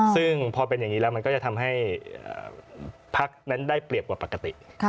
ซึ่งพอเป็นอย่างนี้แล้วมันก็จะทำให้พักนั้นได้เปรียบกว่าปกติ